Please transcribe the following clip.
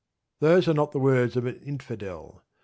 Those are not the words of an "Infidel."